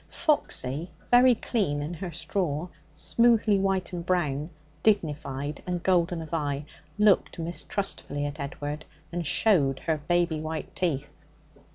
Foxy very clean in her straw, smoothly white and brown, dignified, and golden of eye looked mistrustfully at Edward and showed her baby white teeth.